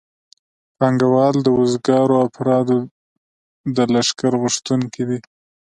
پانګوال د وزګارو افرادو د لښکر غوښتونکي دي